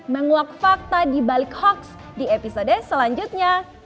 menguak fakta dibalik hoax di episode selanjutnya